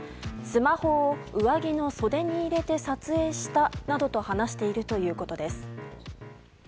スマホを上着の袖に入れて撮影したなどと話しているということです。